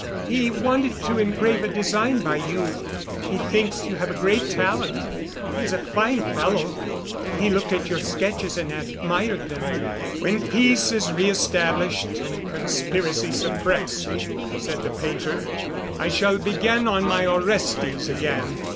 He wanted to engrave a design by you. He thinks you have great talent. He is a fine fellow; he looked at your sketches and admired them." "When peace is re established and conspiracy suppressed," said the painter, "I shall begin on my Orestes again.